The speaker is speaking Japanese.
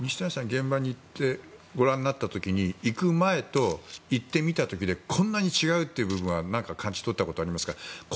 現場に行ってご覧になった時に行く前と行ってみたあとでこんなに違うという部分は感じ取ったことはありますか？